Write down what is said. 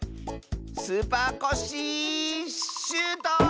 スーパーコッシーシュート！